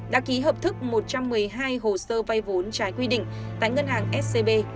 đã ký hợp thức một trăm một mươi hai hồ sơ vay vốn trái quy định tại ngân hàng scb